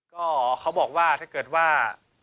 ก็เขาบอกว่าถ้าเกิดว่า